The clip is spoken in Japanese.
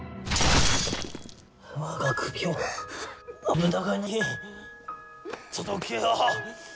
我が首を信長に届けよ。